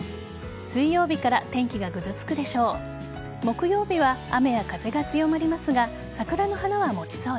水曜日から天気がぐずつくでしょう。